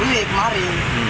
biasanya beli kemari